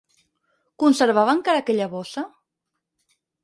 Conservava encara aquella bossa?